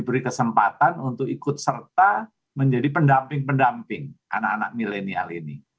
diberi kesempatan untuk ikut serta menjadi pendamping pendamping anak anak milenial ini